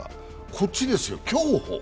こっちですよ、競歩。